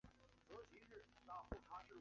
法国远东学院有两项成果最引人注目。